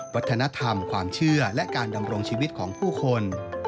วัฒนธรรมความเชื่อและการดำรงชีวิตของผู้คน